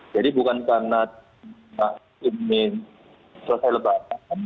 jadi bukan karena ini selesai lebaran